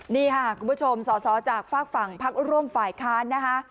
นี่ค่ะคุณผู้ชมสอสอจากฝากฝั่งพักร่วมฝ่ายค้านนะคะ